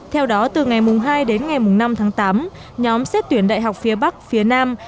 theo đó từ ngày hai đến ngày năm tháng tám nhóm xét tuyển đại học phía bắc phía nam